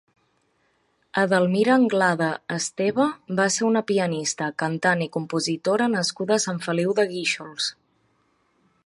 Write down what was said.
Edelmira Anglada Esteba va ser una pianista, cantant i compositora nascuda a Sant Feliu de Guíxols.